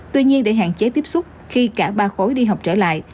tuy nhiên để hạn chế tiếp xúc khi cả ba khối đi học trở lại